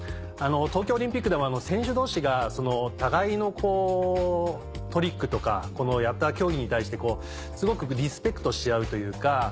東京オリンピックでも選手同士が互いのトリックとかやった競技に対してすごくリスペクトし合うというか。